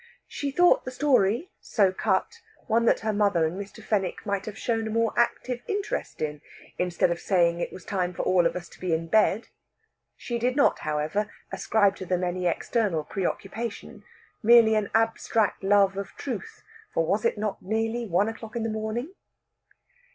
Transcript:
She thought the story, so cut, one that her mother and Mr. Fenwick might have shown a more active interest in, instead of saying it was time for all of us to be in bed. She did not, however, ascribe to them any external preoccupation merely an abstract love of Truth; for was it not nearly one o'clock in the morning?